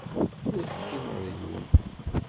Ur ḥkimeɣ deg-wen.